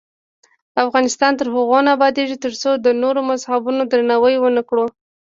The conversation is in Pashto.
افغانستان تر هغو نه ابادیږي، ترڅو د نورو مذهبونو درناوی ونکړو.